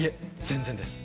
全然です。